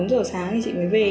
ba bốn giờ sáng thì chị mới về